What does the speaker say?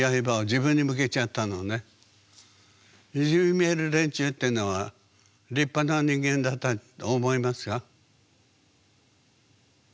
いじめる連中ってのは立派な人間だったと思いますか？